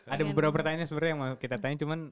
ada beberapa pertanyaan yang sebenarnya kita mau tanya cuman